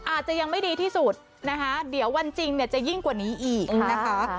อาจจะยังไม่ดีที่สุดนะคะเดี๋ยววันจริงเนี่ยจะยิ่งกว่านี้อีกนะคะ